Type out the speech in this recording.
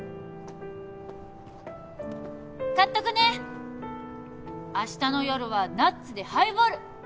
買っとくね明日の夜はナッツでハイボール！